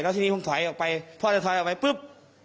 ทีนี้ผมถอยออกไปพ่อจะถอยออกไปปุ๊บ